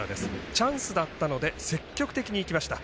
チャンスだったので積極的にいきました。